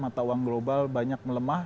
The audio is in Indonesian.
mata uang global banyak melemah